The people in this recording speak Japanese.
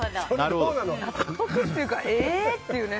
納得っていうかえー？っていうね。